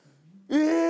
えっ！？